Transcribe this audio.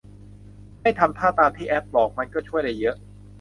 ให้ทำท่าตามที่แอปบอก มันก็ช่วยได้เยอะ